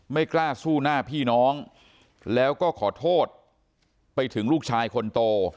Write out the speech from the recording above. ไม่กล้าสู้หน้าพี่น้องแล้วก็ขอโทษไปถึงลูกชายคนโต